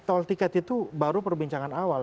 tol tiket itu baru perbincangan awal